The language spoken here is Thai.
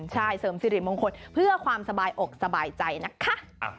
ใช่เสริมสิริมงคลเพื่อความสบายอกสบายใจนะคะ